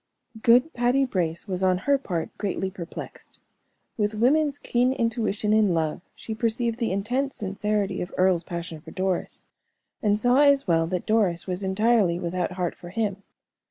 Good Patty Brace was, on her part, greatly perplexed. With woman's keen intuition in love, she perceived the intense sincerity of Earle's passion for Doris, and saw as well that Doris was entirely without heart for him.